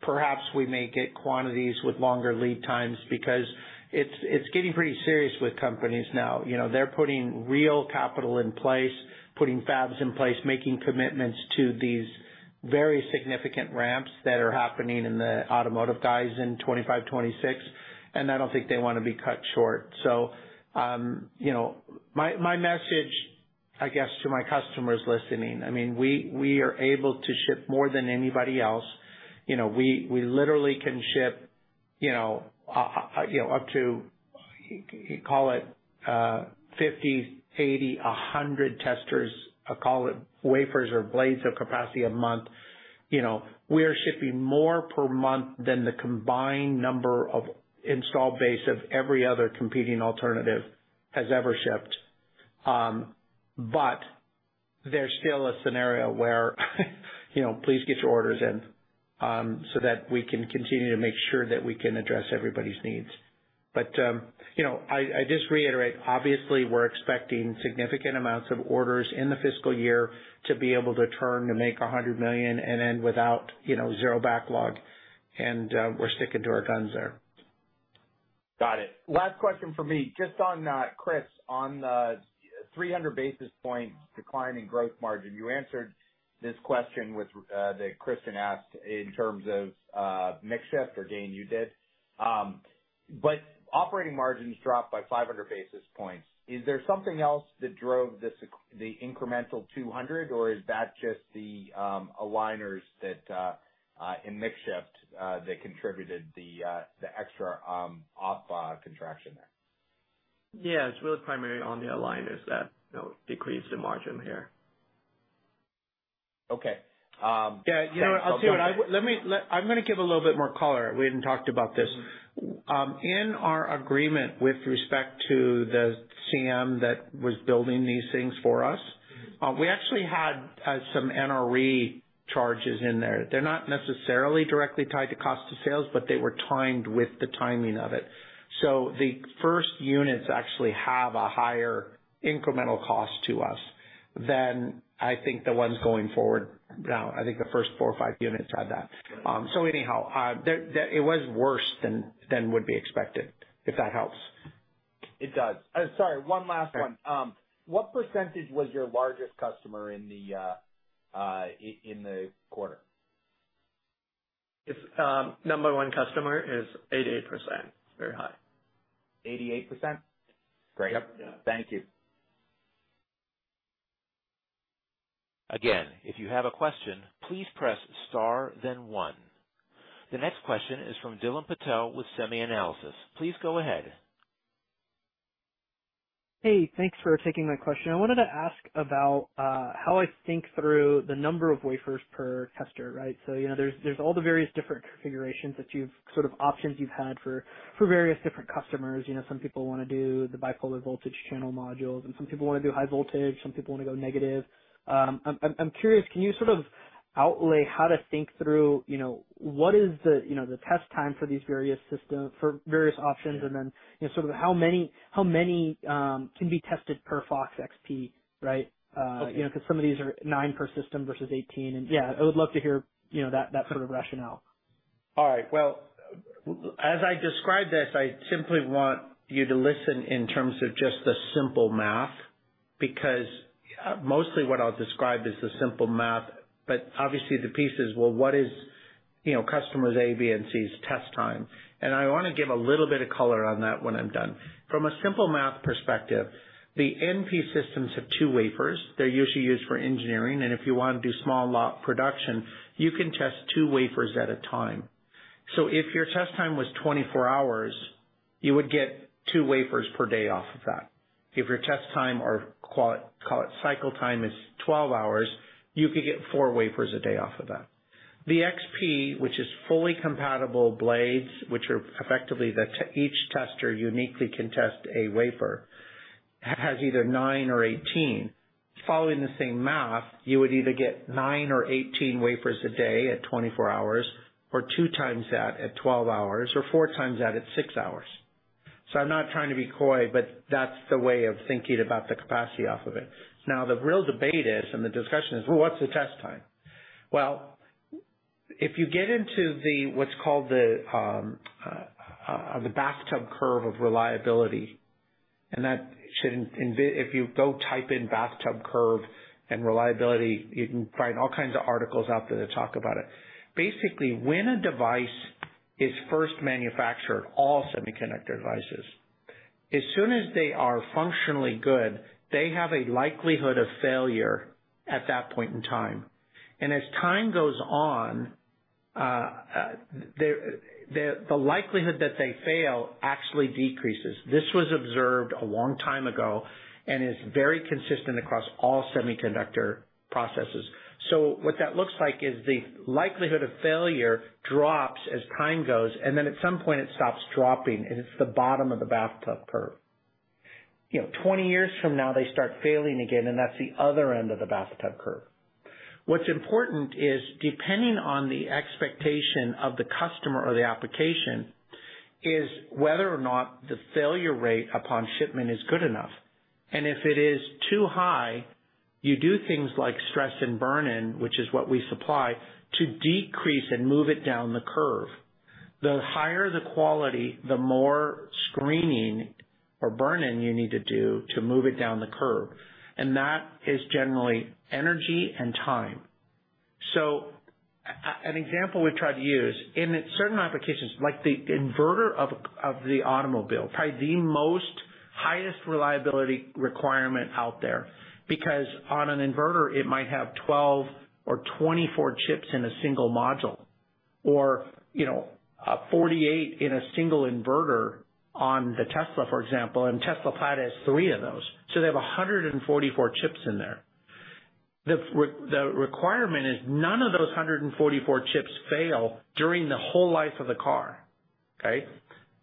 perhaps we may get quantities with longer lead times because it's, it's getting pretty serious with companies now. You know, they're putting real capital in place, putting fabs in place, making commitments to these very significant ramps that are happening in the automotive guys in 2025, 2026, and I don't think they want to be cut short. So, you know, my message, I guess, to my customers listening, I mean, we are able to ship more than anybody else. You know, we literally can ship, you know, up to call it, 50, 80, 100 testers, call it wafers or blades of capacity a month. You know, we are shipping more per month than the combined number of installed base of every other competing alternative has ever shipped. But there's still a scenario where, you know, please get your orders in, so that we can continue to make sure that we can address everybody's needs. But, you know, I, I just reiterate, obviously, we're expecting significant amounts of orders in the fiscal year to be able to turn, to make $100 million and end without, you know, zero backlog. And, we're sticking to our guns there. Got it. Last question for me, just on Chris, on the 300 basis points decline in gross margin. You answered this question, which that Christian asked in terms of mixed shift or the new you did, but operating margins dropped by 500 basis points. Is there something else that drove this, the incremental 200, or is that just the aligners that in mixed shift that contributed the the extra op contraction there? Yeah, it's really primarily on the aligners that, you know, decreased the margin there. Okay. Um. Yeah. You know what? I'll tell you what. Let me, I'm going to give a little bit more color. We hadn't talked about this. In our agreement with respect to the CM that was building these things for us, we actually had some NRE charges in there. They're not necessarily directly tied to cost of sales, but they were timed with the timing of it. So the first units actually have a higher incremental cost to us than I think the ones going forward now. I think the first four or five units had that. So anyhow, that, it was worse than would be expected, if that helps. It does. Sorry, one last one. Sure. What percentage was your largest customer in the quarter? Its number one customer is 88%. It's very high. 88%? Yep. Great. Thank you. Again, if you have a question, please press star, then one. The next question is from Dylan Patel with SemiAnalysis. Please go ahead. Hey, thanks for taking my question. I wanted to ask about how I think through the number of wafers per tester, right? So, you know, there's all the various different configurations that you've sort of options you've had for various different customers. You know, some people want to do the Bipolar Voltage Channel Modules, and some people want to do high voltage, some people want to go negative. I'm curious, can you sort of outlay how to think through, you know, what is the test time for these various systems, for various options? Yeah. Then, you know, sort of how many, how many, can be tested per FOX-XP, right? Okay. You know, because some of these are nine per system versus 18. And yeah, I would love to hear, you know, that sort of rationale. All right. Well, as I describe this, I simply want you to listen in terms of just the simple math, because mostly what I'll describe is the simple math. But obviously, the piece is, well, what is, you know, customers A, B, and C's test time? And I want to give a little bit of color on that when I'm done. From a simple math perspective, the NP systems have two wafers. They're usually used for engineering, and if you want to do small lot production, you can test two wafers at a time. So if your test time was 24 hours, you would get two wafers per day off of that. If your test time, or call it, call it cycle time, is 12 hours, you could get four wafers a day off of that. The XP, which is fully compatible blades, which are effectively each tester uniquely can test a wafer, has either nine or 18. Following the same math, you would either get nine or 18 wafers a day at 24 hours, or two times that at 12 hours, or four times that at six hours. I'm not trying to be coy, but that's the way of thinking about the capacity off of it. Now, the real debate is, and the discussion is, Well, what's the test time? Well, if you get into what's called the bathtub curve of reliability, and that should inven, if you go type in bathtub curve and reliability, you can find all kinds of articles out there that talk about it. Basically, when a device is first manufactured, all semiconductor devices, as soon as they are functionally good, they have a likelihood of failure at that point in time. And as time goes on, the likelihood that they fail actually decreases. This was observed a long time ago and is very consistent across all semiconductor processes. So what that looks like is the likelihood of failure drops as time goes, and then at some point it stops dropping, and it's the bottom of the bathtub curve. You know, 20 years from now, they start failing again, and that's the other end of the bathtub curve. What's important is, depending on the expectation of the customer or the application, is whether or not the failure rate upon shipment is good enough. If it is too high, you do things like stress and burn-in, which is what we supply, to decrease and move it down the curve. The higher the quality, the more screening or burn-in you need to do to move it down the curve, and that is generally energy and time. So an example we tried to use, in certain applications, like the inverter of, of the automobile, probably the most highest reliability requirement out there, because on an inverter it might have 12 or 24 chips in a single module, or, you know, 48 in a single inverter on the Tesla, for example, and Tesla Plaid has three of those, so they have 144 chips in there. The requirement is none of those 144 chips fail during the whole life of the car. Okay?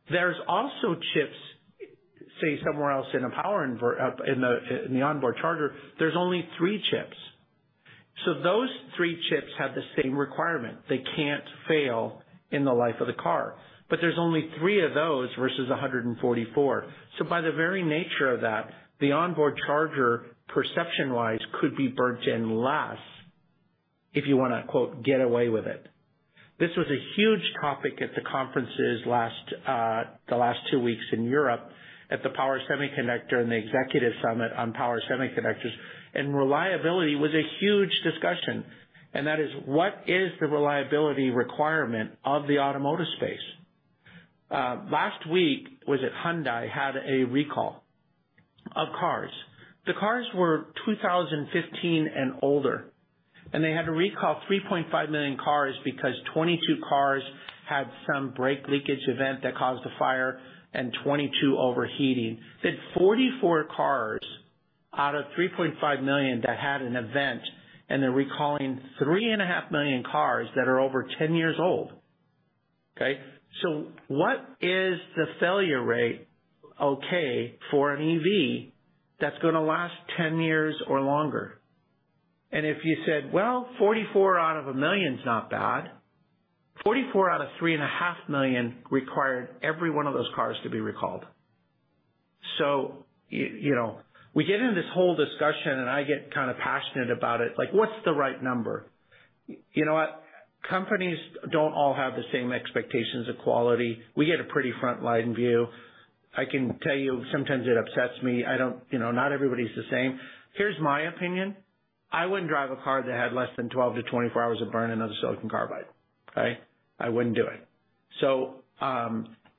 There's also chips, say, somewhere else in the power inverter up in the, in the onboard charger, there's only three chips, so those three chips have the same requirement. They can't fail in the life of the car, but there's only three of those versus 144. So by the very nature of that, the onboard charger, perception-wise, could be burnt in less if you want to, quote, "get away with it." This was a huge topic at the conferences last, the last two weeks in Europe at the Power Semiconductor and the Executive Summit on Power Semiconductors, and reliability was a huge discussion, and that is, What is the reliability requirement of the automotive space? Last week, was it Hyundai had a recall of cars. The cars were 2015 and older, and they had to recall 3.5 million cars because 22 cars had some brake leakage event that caused a fire and 22 overheating. They had 44 cars out of 3.5 million that had an event, and they're recalling 3.5 million cars that are over ten years old. Okay? What is the failure rate, okay, for an EV that's going to last 10 years or longer? If you said, "Well, 44 out of a million is not bad." 44 out of 3.5 million required every one of those cars to be recalled. You know, we get into this whole discussion, and I get kind of passionate about it, like, what's the right number? You know what? Companies don't all have the same expectations of quality. We get a pretty frontline view. I can tell you, sometimes it upsets me. I don't, you know, not everybody's the same. Here's my opinion, I wouldn't drive a car that had less than 12-24 hours of burn-in on silicon carbide, okay? I wouldn't do it. So,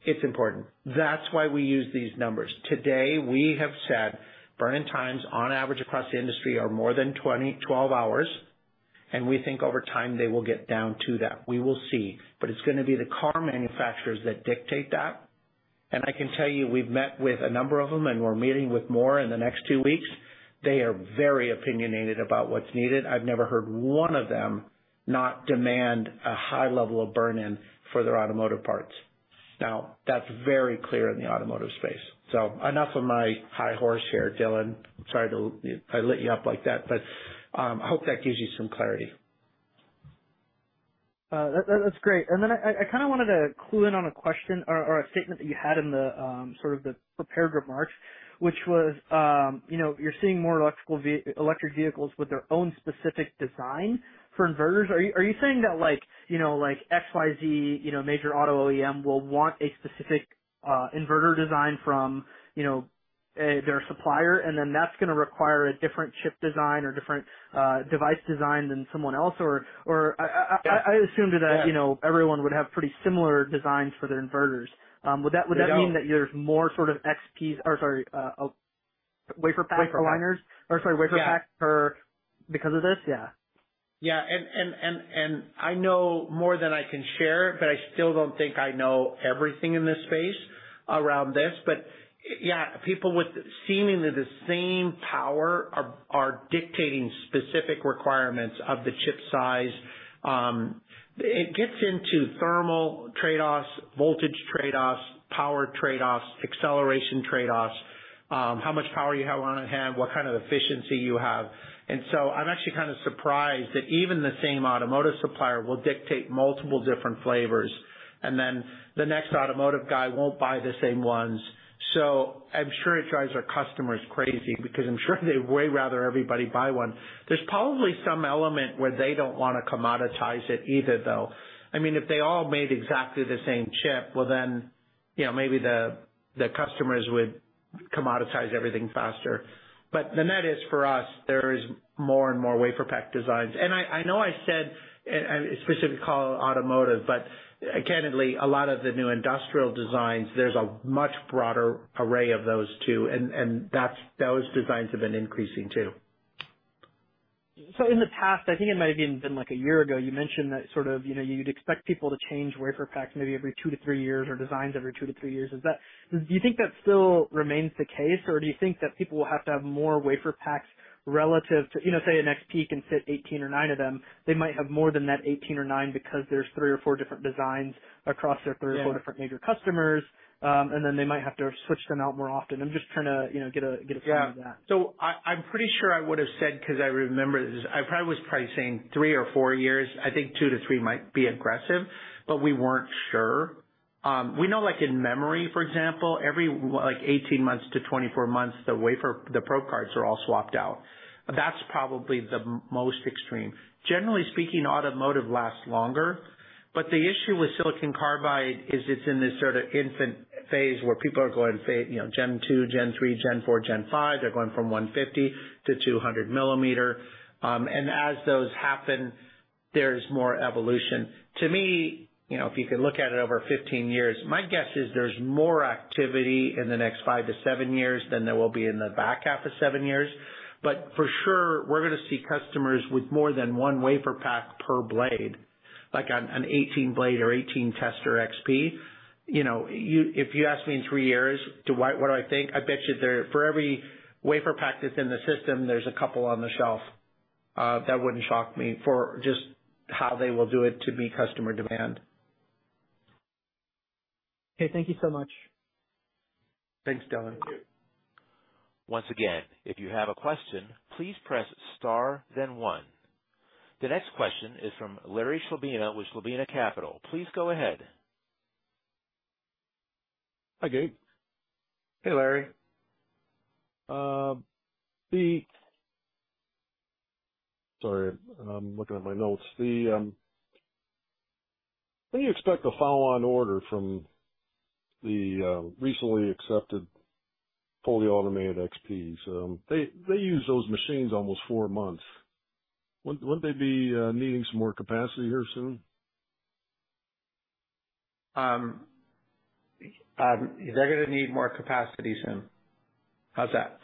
it's important. That's why we use these numbers. Today, we have said burn-in times on average across the industry are more than 20-12 hours, and we think over time, they will get down to that. We will see. But it's going to be the car manufacturers that dictate that. And I can tell you, we've met with a number of them, and we're meeting with more in the next two weeks. They are very opinionated about what's needed. I've never heard one of them not demand a high level of burn-in for their automotive parts. Now, that's very clear in the automotive space. So enough of my high horse here, Dylan. Sorry to, I lit you up like that, but, I hope that gives you some clarity. That, that's great. And then I kind of wanted to clue in on a question or a statement that you had in the sort of the prepared remarks, which was, you know, you're seeing more electric vehicles with their own specific design for inverters. Are you saying that like, you know, like XYZ, you know, major auto OEM will want a specific inverter design from, you know, their supplier, and then that's gonna require a different chip design or different device design than someone else? Or I assumed that, you know, everyone would have pretty similar designs for their inverters. Would that mean that there's more sort of XPs or WaferPak Aligners? Or WaferPak per because of this? Yeah. Yeah. I know more than I can share, but I still don't think I know everything in this space around this. But yeah, people with seemingly the same power are dictating specific requirements of the chip size. It gets into thermal trade-offs, voltage trade-offs, power trade-offs, acceleration trade-offs, how much power you have on hand, what kind of efficiency you have. And so I'm actually kind of surprised that even the same automotive supplier will dictate multiple different flavors, and then the next automotive guy won't buy the same ones. So I'm sure it drives our customers crazy because I'm sure they'd way rather everybody buy one. There's probably some element where they don't want to commoditize it either, though. I mean, if they all made exactly the same chip, well, then, you know, maybe the customers would commoditize everything faster. The net is for us, there is more and more WaferPak designs. I know I said, and specifically call automotive, but candidly, a lot of the new industrial designs, there's a much broader array of those, too, and that's, those designs have been increasing, too. So in the past, I think it might have even been like a year ago, you mentioned that sort of, you know, you'd expect people to change WaferPaks maybe every two to three years or designs every two to three years. Is that, do you think that still remains the case, or do you think that people will have to have more WaferPaks relative to, you know, say, an XP can fit 18 or nine of them, they might have more than that 18 or nine because there's three or four different designs across their three or four major customers, and then they might have to switch them out more often. I'm just trying to, you know, get a, get a feel of that. Yeah. I’m pretty sure I would have said, because I remember this, I probably was probably saying three or four years. I think two to three might be aggressive, but we weren’t sure. We know like in memory, for example, every 18 months to 24 months, the wafer, the probe cards are all swapped out. That’s probably the most extreme. Generally speaking, automotive lasts longer, but the issue silicon carbide is it’s in this sort of infant phase where people are going, phase, you know, gen two, gen three, gen four, gen five. They’re going from 150 to 200 millimeter. As those happen, there’s more evolution. To me, you know, if you can look at it over 15 years, my guess is there's more activity in the next five to seven years than there will be in the back half of seven years. But for sure, we're going to see customers with more than one wafer pack per blade, like on an 18 blade or 18 tester XP. You know, you, if you ask me in three years to what I think, I bet you there, for every wafer pack that's in the system, there's a couple on the shelf. That wouldn't shock me for just how they will do it to meet customer demand. Okay, thank you so much. Thanks, Dylan. Once again, if you have a question, please press star, then one. The next question is from Larry Chlebina with Chlebina Capital. Please go ahead. Hi, Gayn. Hey, Larry. Sorry, I'm looking at my notes. When do you expect a follow-on order from the recently accepted fully automated XPs? They use those machines almost four months. Wouldn't they be needing some more capacity here soon? They're gonna need more capacity soon. How's that?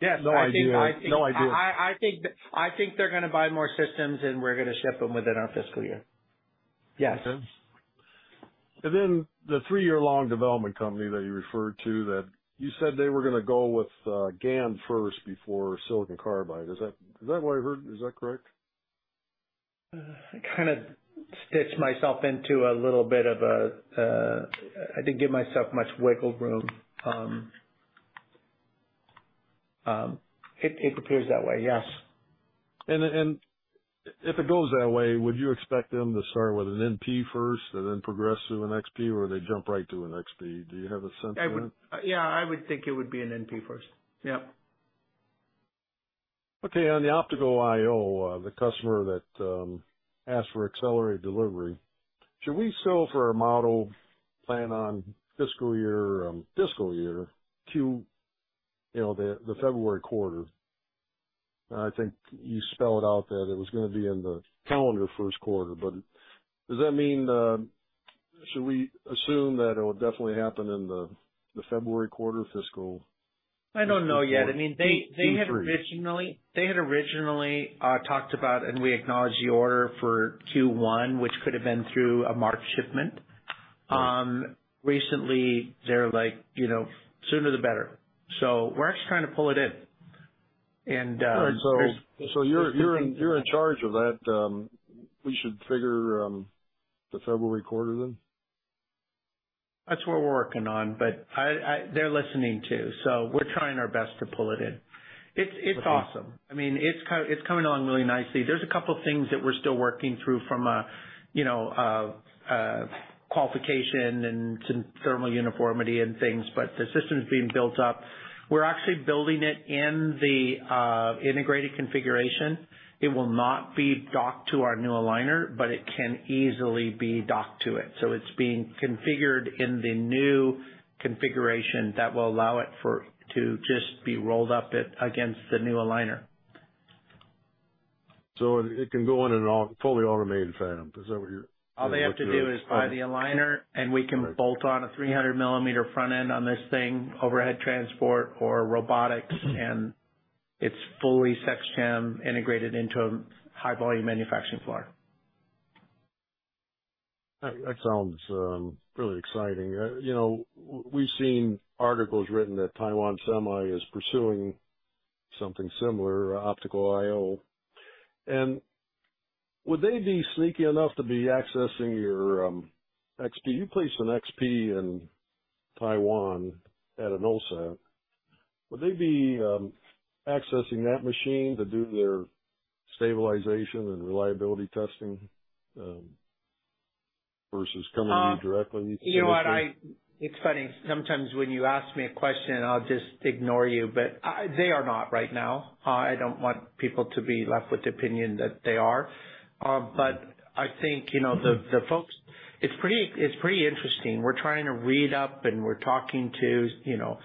Yeah, no idea. No idea. I think they're gonna buy more systems, and we're gonna ship them within our fiscal year. Yes. Okay. And then the three-year long development company that you referred to, that you said they were gonna go with, GaN first silicon carbide. is that, is that what I heard? Is that correct? I kind of stitched myself into a little bit of a. I didn't give myself much wiggle room. It appears that way, yes. And if it goes that way, would you expect them to start with an NP first and then progress to an XP, or they jump right to an XP? Do you have a sense of that? Yeah, I would think it would be an NP first. Yep. Okay, on the optical I/O, the customer that asked for accelerated delivery, should we sell for our model plan on fiscal year, fiscal year Q, you know, the February quarter? I think you spelled out that it was gonna be in the calendar first quarter, but does that mean, should we assume that it will definitely happen in the February quarter fiscal? I don't know yet. I mean, they had originally. Q3. They had originally talked about, and we acknowledged the order for Q1, which could have been through a March shipment. Recently, they're like, you know, the sooner, the better. So we're actually trying to pull it in. And so you're in charge of that. We should figure the February quarter, then? That's what we're working on. But I, they're listening, too, so we're trying our best to pull it in. It's awesome. I mean, it's coming along really nicely. There's a couple of things that we're still working through from a, you know, qualification and some thermal uniformity and things, but the system's being built up. We're actually building it in the integrated configuration. It will not be docked to our new aligner, but it can easily be docked to it. So it's being configured in the new configuration that will allow it for, to just be rolled up against the new Aligner. So it can go in a fully automated fab. Is that what you're. All they have to do is buy the Aligner, and we can bolt on a 300 mm front end on this thing, overhead transport or robotics, and it's fully SEMI integrated into a high-volume manufacturing floor. That sounds really exciting. You know, we've seen articles written that Taiwan Semi is pursuing something similar, optical I/O. And would they be sneaky enough to be accessing your XP? You placed an XP in Taiwan at an OSAT. Would they be accessing that machine to do their stabilization and reliability testing versus coming to you directly? You know what? I, it's funny, sometimes when you ask me a question, I'll just ignore you, but I, they are not right now. I don't want people to be left with the opinion that they are. I think, you know, the, the folks. It's pretty, it's pretty interesting. We're trying to read up, and we're talking to, you know,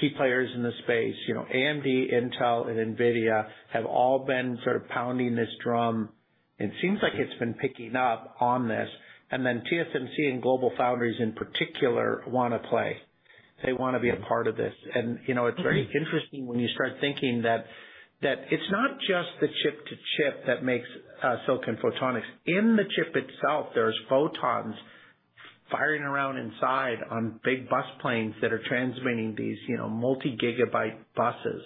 key players in the space. You know, AMD, Intel, and NVIDIA have all been sort of pounding this drum, and seems like it's been picking up on this. TSMC and GlobalFoundries, in particular, want to play. They want to be a part of this. You know, it's very interesting when you start thinking that, that it's not just the chip to chip that makes, uh, silicon photonics. In the chip itself, there's photons firing around inside on big bus planes that are transmitting these, you know, multi-gigabyte buses.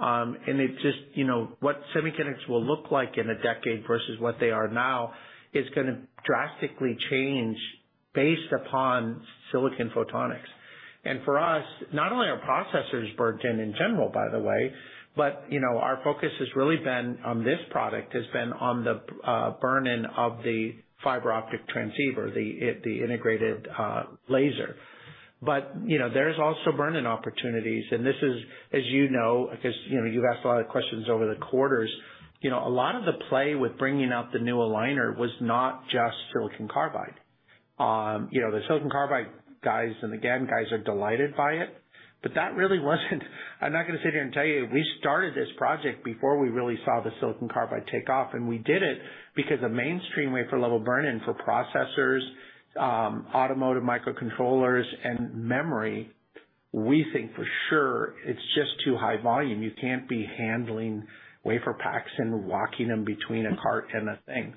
It just, you know, what semiconductors will look like in a decade versus what they are now is gonna drastically change based upon silicon photonics. For us, not only are processors burnt in in general, by the way, but, you know, our focus has really been on this product, has been on the burn-in of the fiber optic transceiver, the integrated laser. You know, there's also burn-in opportunities, and this is, as you know, because, you know, you've asked a lot of questions over the quarters. You know, a lot of the play with bringing out the new aligner was not just silicon carbide. You know, silicon carbide guys and the GaN guys are delighted by it, but that really wasn't. I'm not gonna sit here and tell you we started this project before we really saw silicon carbide take off, and we did it because the mainstream wafer-level burn-in for processors, automotive microcontrollers, and memory, we think for sure it's just too high volume. You can't be handling WaferPaks and walking them between a cart and a thing.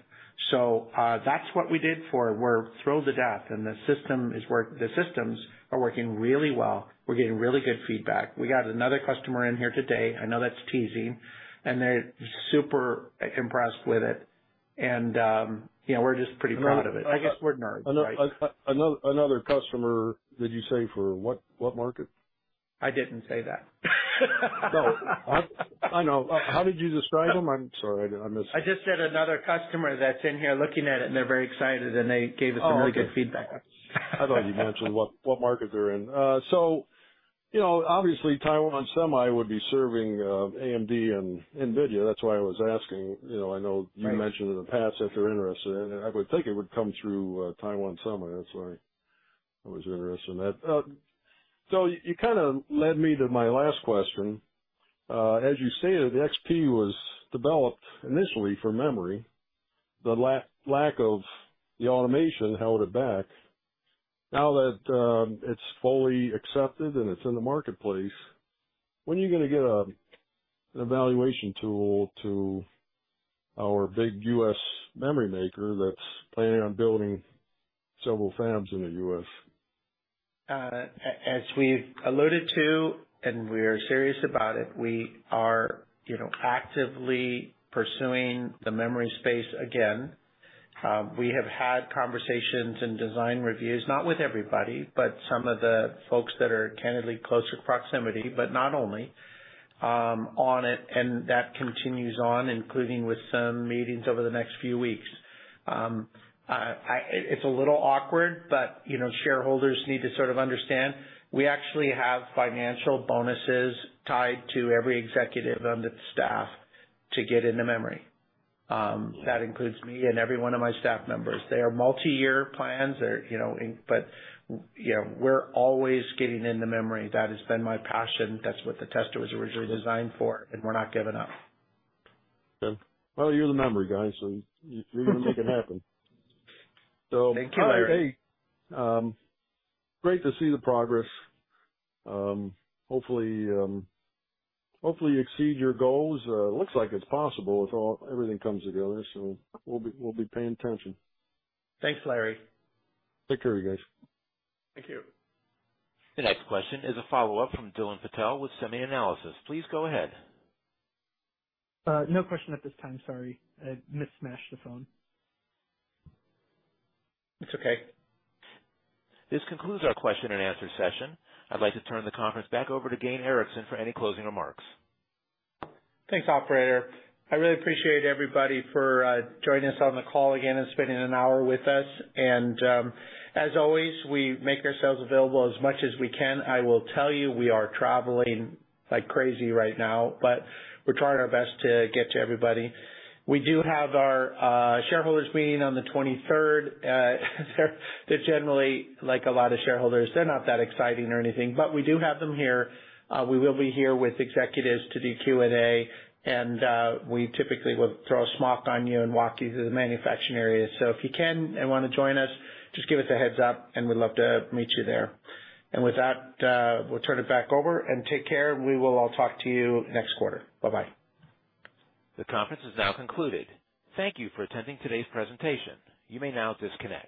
So, that's what we did for it. We're thrilled to death, and the system is working. The systems are working really well. We're getting really good feedback. We got another customer in here today. I know that's teasing, and they're super impressed with it, and, you know, we're just pretty proud of it. I guess we're nerds, right? Another customer, did you say, for what market? I didn't say that. No, I know. How did you describe them? I'm sorry. I missed it. I just said another customer that's in here looking at it, and they're very excited, and they gave us some really good feedback. I thought you mentioned what market they're in. So, you know, obviously Taiwan Semi would be serving AMD and NVIDIA. That's why I was asking. You know, I know you mentioned in the past that they're interested in it, and I would think it would come through Taiwan Semi. That's why I was interested in that. So you kind of led me to my last question. As you stated, the XP was developed initially for memory. The lack of the automation held it back. Now that it's fully accepted and it's in the marketplace, when are you gonna get an evaluation tool to our big U.S. memory maker that's planning on building several fabs in the U.S.? As we've alluded to, and we are serious about it, we are, you know, actively pursuing the memory space again. We have had conversations and design reviews, not with everybody, but some of the folks that are candidly closer proximity, but not only, on it, and that continues on, including with some meetings over the next few weeks. It's a little awkward, but, you know, shareholders need to sort of understand, we actually have financial bonuses tied to every executive on the staff to get into memory. That includes me and every one of my staff members. They are multi-year plans. They're, you know, but, you know, we're always getting into memory. That has been my passion. That's what the tester was originally designed for, and we're not giving up. Good. Well, you're the memory guy, so you're gonna make it happen. Thank you, Larry. So, hey, great to see the progress. Hopefully, hopefully, you exceed your goals. Looks like it's possible if all, everything comes together, so we'll be, we'll be paying attention. Thanks, Larry. Take care, you guys. Thank you. The next question is a follow-up from Dylan Patel with SemiAnalysis. Please go ahead. No question at this time. Sorry, I mashed the phone. It's okay. This concludes our question-and-answer session. I'd like to turn the conference back over to Gayn Erickson for any closing remarks. Thanks, operator. I really appreciate everybody for joining us on the call again and spending an hour with us. And, as always, we make ourselves available as much as we can. I will tell you, we are traveling like crazy right now, but we're trying our best to get to everybody. We do have our shareholders meeting on the 23rd. They're generally like a lot of shareholders. They're not that exciting or anything, but we do have them here. We will be here with executives to do Q&A, and we typically will throw a smock on you and walk you through the manufacturing area. So if you can and wanna join us, just give us a heads up, and we'd love to meet you there. And with that, we'll turn it back over and take care. We will all talk to you next quarter. Bye-bye. The conference is now concluded. Thank you for attending today's presentation. You may now disconnect.